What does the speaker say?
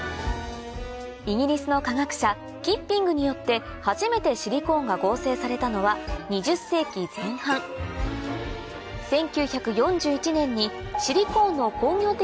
イギリスの化学者キッピングによって初めてシリコーンが合成されたのは２０世紀前半１９４１年にシリコーンの工業的